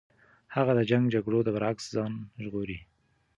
هغه د جنګ جګړو د برعکس ځان ژغوري.